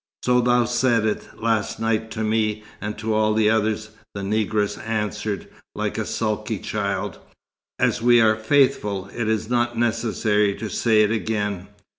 "So thou saidst last night to me, and to all the others," the negress answered, like a sulky child. "As we are faithful, it is not necessary to say it again."